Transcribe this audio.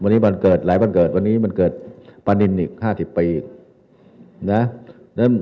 วันนี้วันเกิดหลายวันเกิดวันนี้วันเกิดปรณินิกส์ห้าสิบปีอีกเนี่ย